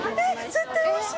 絶対おいしい。